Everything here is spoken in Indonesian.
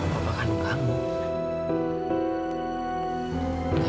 bapak kandung kamu